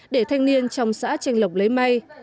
để thanh niên trong xã tranh lộc lấy may